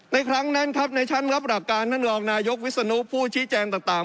ครั้งนั้นครับในชั้นรับหลักการท่านรองนายกวิศนุผู้ชี้แจงต่าง